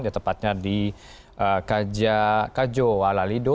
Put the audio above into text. ya tepatnya di kajo walalido